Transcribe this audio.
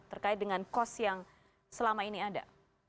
terkait dengan kos yang selama ini ada